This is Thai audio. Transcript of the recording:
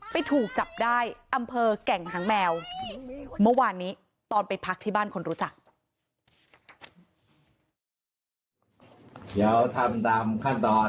ถูกจับได้อำเภอแก่งหางแมวเมื่อวานนี้ตอนไปพักที่บ้านคนรู้จัก